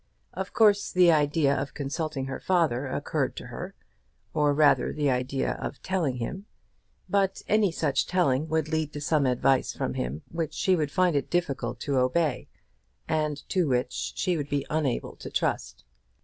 Of course the idea of consulting her father occurred to her, or rather the idea of telling him; but any such telling would lead to some advice from him which she would find it difficult to obey, and to which she would be unable to trust.